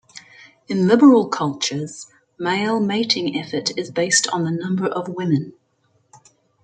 In liberal cultures, male mating effort is based on the number of women.